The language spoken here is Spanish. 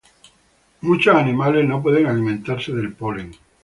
Muchos animales no pueden alimentarse del polen.